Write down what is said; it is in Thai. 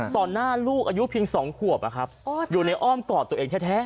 ตอนหน้าลูกอายุเพียงสองขวบอะครับอยู่ในอ้อมกอดตัวเองแท้